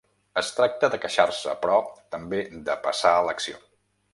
Es tracta de queixar-se, però també de passar a l’acció.